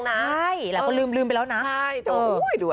ใช่หลายคนลืมไปแล้วนะ